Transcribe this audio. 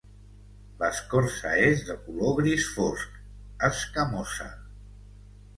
L'escorça és de color gris fosc, escamosa.